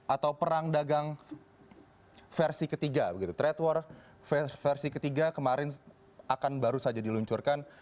atau perang dagang versi ketiga begitu trade war versi ketiga kemarin akan baru saja diluncurkan